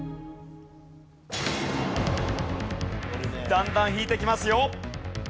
だんだん引いてきますよ。